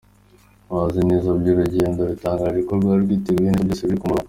Abazi neza iby’uru rugendo batangaje ko rwari ruteguye neza byose biri ku murongo.